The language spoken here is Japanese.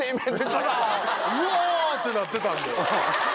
うお！ってなってたんで。